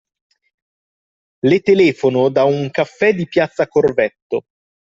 Le telefono da un caffè di Piazza Corvetto.